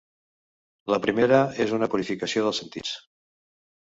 La primera és una purificació dels sentits.